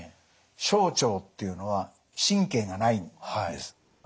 小腸っていうのは神経がないんです。